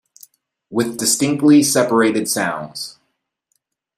With distinctly separated sounds.